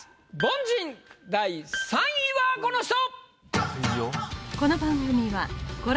凡人第３位はこの人！